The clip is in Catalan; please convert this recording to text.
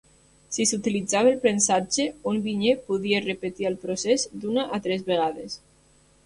Si s'utilitzava el premsatge, un vinyer podia repetir el procés d'una a tres vegades.